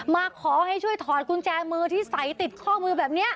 มาขอให้ช่วยถอดกุญแจมือที่ใส่ติดข้อมือแบบนี้